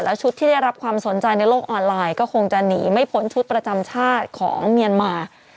ชุดที่ได้รับความสนใจในโลกออนไลน์ก็คงจะหนีไม่พ้นชุดประจำชาติของเมียนมา